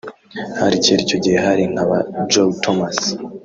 Hari kera icyo gihe hari nka ba Joe Thomas